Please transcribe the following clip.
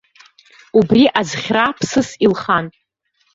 Убри азхьра ԥсыс илхан.